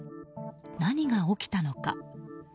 何が起きたのか。